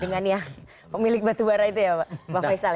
dengan yang pemilik batubara itu ya pak faisal ya